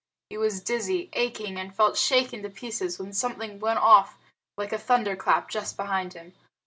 He was dizzy, aching, and felt shaken to pieces when something went off like a thunderclap just behind him.